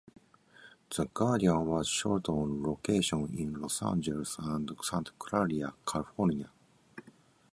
"The Guardian" was shot on location in Los Angeles and Santa Clarita, California.